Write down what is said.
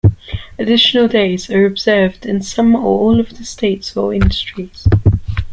Additional days are observed in some or all the states or industries.